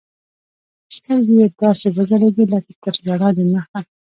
سترګې يې داسې وځلېدې لكه تر ژړا د مخه.